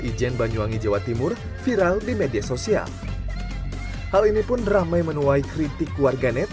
ijen banyuwangi jawa timur viral di media sosial hal ini pun ramai menuai kritik warganet